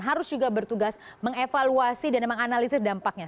harus juga bertugas mengevaluasi dan menganalisis dampaknya